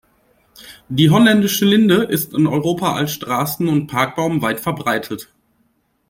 Die Holländische Linde ist in Europa als Straßen- und Parkbaum weit verbreitet.